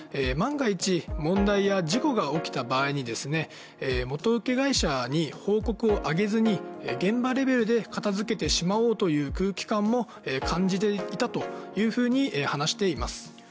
万が一問題や事故が起きた場合にですね、元請会社に報告を上げずに現場レベルで片付けてしまおうという空気感も感じていたというふうに話しています。